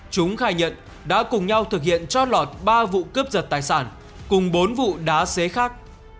chúng khai nhận đã cùng nhau thực hiện trót lọt ba vụ cướp giật tài sản cùng bốn vụ đá xế khác